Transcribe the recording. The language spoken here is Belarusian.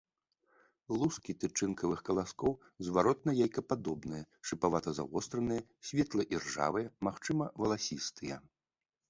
Лускі тычынкавых каласкоў зваротна-яйкападобныя, шыпавата-завостраныя, светла-іржавыя, магчыма валасістыя.